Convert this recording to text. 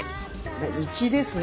粋ですね